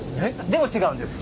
でも違うんです。